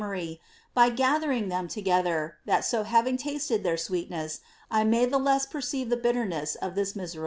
mnric, by gathering them together, that so having tasted their sweetness 1 may the le^tf perceive the bitterness of this miserable life.'